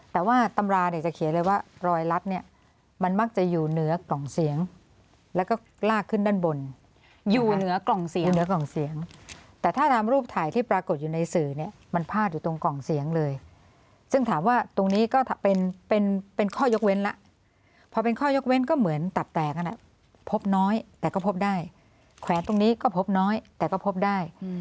แต่ว่าตำราเนี่ยจะเขียนเลยว่ารอยรัดเนี่ยมันมักจะอยู่เหนือกล่องเสียงแล้วก็ลากขึ้นด้านบนอยู่เหนือกล่องเสียงเหนือกล่องเสียงแต่ถ้าตามรูปถ่ายที่ปรากฏอยู่ในสื่อเนี่ยมันพาดอยู่ตรงกล่องเสียงเลยซึ่งถามว่าตรงนี้ก็เป็นเป็นข้อยกเว้นแล้วพอเป็นข้อยกเว้นก็เหมือนตับแตกพบน้อยแต่ก็พบได้แขวนตรงนี้ก็พบน้อยแต่ก็พบได้